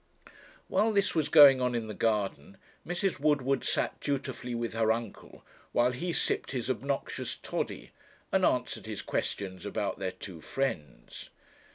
While this was going on in the garden, Mrs. Woodward sat dutifully with her uncle while he sipped his obnoxious toddy, and answered his questions about their two friends.